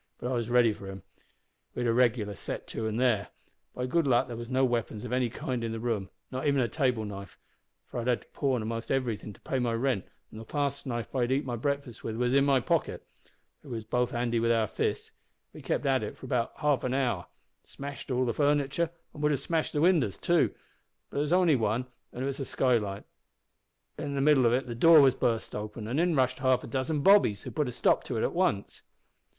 But I was ready for him. We had a regular set to then an' there. By good luck there was no weapons of any kind in the room, not even a table knife, for I'd had to pawn a'most everything to pay my rent, and the clasp knife I'd eat my breakfast with was in my pocket. But we was both handy with our fists. We kep' at it for about half an hour. Smashed all the furniture, an' would have smashed the winders too, but there was only one, an' it was a skylight. In the middle of it the door was burst open, an' in rushed half a dozen bobbies, who put a stop to it at once.